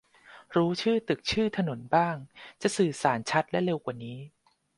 รู้ชื่อตึก ชื่อถนนบ้าง จะสื่อสารชัดและเร็วกว่านี้